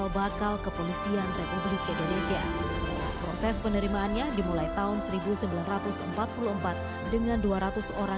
bahkan beras pun kita import